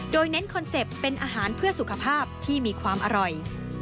โดยเน้นคอนเซ็ปต์เป็นอาหารเพื่อสุขภาพที่มีความอร่อย